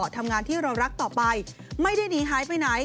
ทำงานที่เรารักต่อไปไม่ได้หนีหายไปไหน